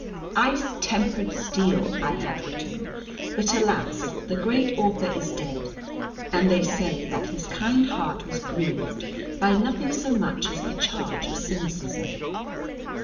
[#] "Ice tempered steel" I had written. But alas, the great author is dead, and they say that his kind heart was grieved by nothing so much as the charge of Cynicism.